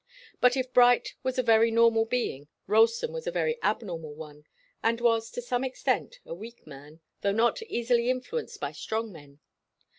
But if Bright was a very normal being, Ralston was a very abnormal one, and was, to some extent, a weak man, though not easily influenced by strong men.